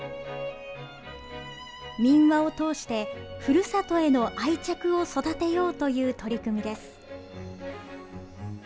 民話を通してふるさとへの愛着を育てようという取り組みです。